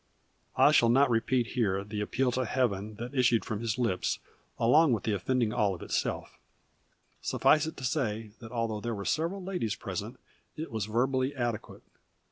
I shall not repeat here the appeal to Heaven that issued from his lips along with the offending olive itself. Suffice it to say that although there were several ladies present it was verbally adequate.